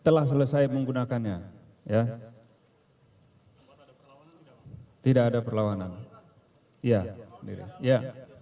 telah selesai menggunakannya ya tidak ada perlawanan ya ya